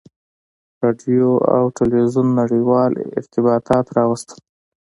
• راډیو او تلویزیون نړیوال ارتباطات راوستل.